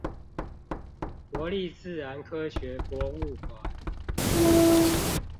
國立自然科學博物館